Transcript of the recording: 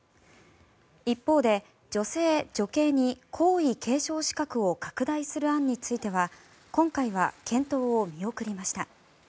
一方で女性・女系に皇位継承資格を拡大する案については今回は検討を見送りました。